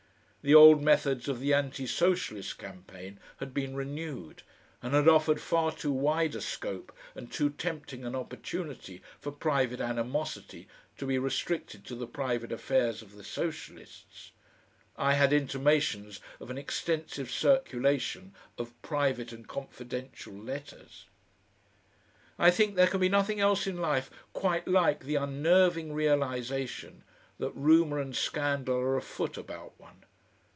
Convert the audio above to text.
The old methods of the Anti Socialist campaign had been renewed, and had offered far too wide a scope and too tempting an opportunity for private animosity, to be restricted to the private affairs of the Socialists. I had intimations of an extensive circulation of "private and confidential" letters.... I think there can be nothing else in life quite like the unnerving realisation that rumour and scandal are afoot about one.